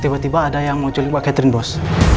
tiba tiba ada yang mau culik mbak catherine bos